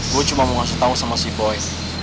gue cuma mau ngasih tau sama si boy